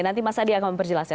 nanti mas adi akan memperjelasnya